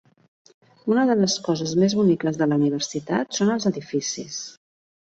Una de les coses més boniques de la Universitat són els edificis.